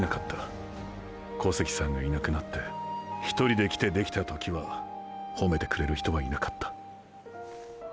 小関さんがいなくなって一人で来てできた時はほめてくれる人はいなかった。